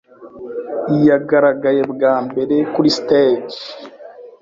Yagaragaye bwa mbere kuri stage